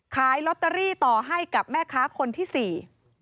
ขายลอตเตอรี่ต่อให้กับแม่ค้าคนที่สี่